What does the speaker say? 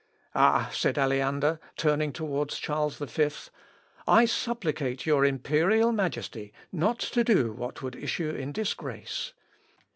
"Ah!" said Aleander, turning towards Charles V, "I supplicate your imperial majesty not to do what would issue in disgrace.